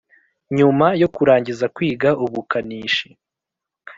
Nyuma yo kurangiza kwiga ubukanishi